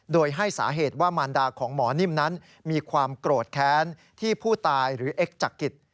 โดยให้สาเหตุว่ามารดาของหมอนิ่มนั้นมีความโกรธแค้นที่ผู้ตายหรือเอ็กจักริต